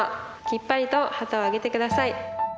きっぱりと旗を上げて下さい。